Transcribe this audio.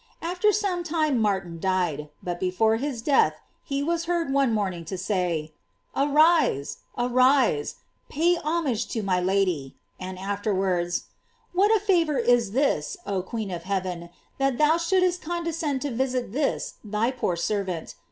After some time Martin died; but before his death he was heard one morning to say: " Arise, arise, pay homage to my Lady;" and afterwards: " What a favor is this, oh queen of heaven, that thou shouldst con descend to visit this thy poor servant.